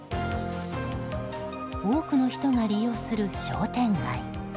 多くの人が利用する商店街。